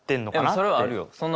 それはあるよ。